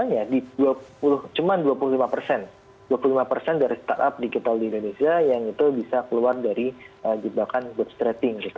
nah biasanya cuma dua puluh lima dari startup digital di indonesia yang itu bisa keluar dari jebakan bootstrapping